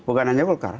bukan hanya golkar